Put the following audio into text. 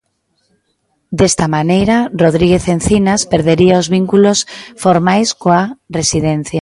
Desta maneira, Rodríguez Encinas perdería os vínculos formais coa residencia.